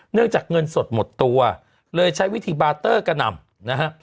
เนื่องจากเงินสดหมดตัวเลยใช้วิธีบาเตอร์กระหน่ำนะฮะ